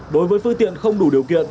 đối với phương tiện không đủ điều kiện